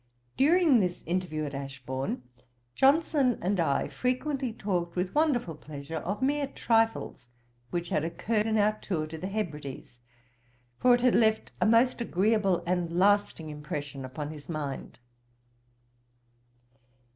During this interview at Ashbourne, Johnson and I frequently talked with wonderful pleasure of mere trifles which had occurred in our tour to the Hebrides; for it had left a most agreeable and lasting impression upon his mind.